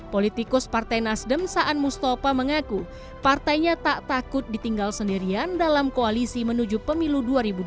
politikus partai nasdem saan mustafa mengaku partainya tak takut ditinggal sendirian dalam koalisi menuju pemilu dua ribu dua puluh